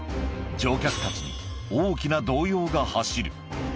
乗客たちに大きな動揺が走る。